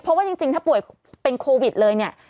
เพราะว่าจริงถ้าป่วยเป็นโควิดเลยเนี่ย